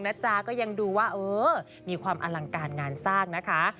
จ๊ะก็ยังดูว่าเออมีความอลังการงานสร้างนะคะ